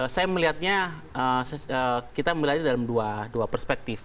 saya melihatnya kita melihatnya dalam dua perspektif